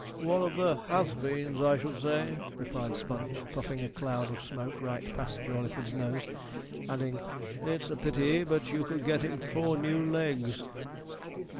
'One of the "has beens," I should say,' replied Sponge, puffing a cloud of smoke right past Jawleyford's nose; adding, 'It's a pity but you could get him four new legs.'